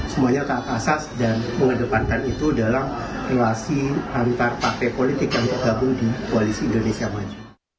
semuanya taat asas dan mengedepankan itu dalam relasi antar partai politik yang tergabung di koalisi indonesia maju